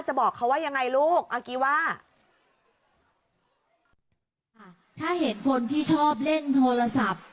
ถ้าเห็นคนที่ชอบเล่นโทรศัพท์